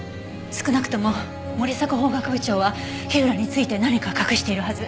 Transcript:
少なくとも森迫法学部長は火浦について何か隠しているはず。